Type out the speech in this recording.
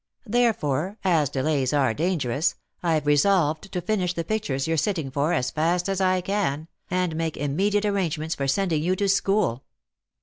" Therefore, as delays are dangerous, I've resolved to finish the pictures you're sitting for as fast as I can, and make imme diate arrangements for sending you to school."